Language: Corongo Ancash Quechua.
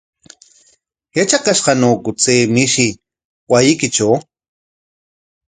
¿Yatrakashqañaku chay mishi wasiykitraw?